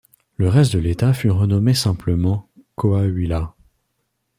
Le reste de l'État fut renommé simplement Coahuila.